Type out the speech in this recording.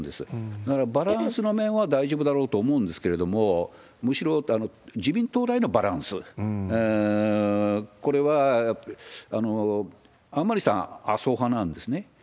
だからバランスの面は大丈夫だろうと思うんですけれども、むしろ自民党内のバランス、これは甘利さん、麻生派なんですね。